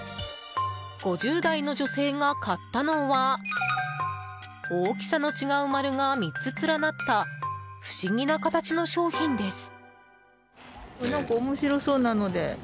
５０代の女性が買ったのは大きさの違う丸が３つ連なった不思議な形の商品です。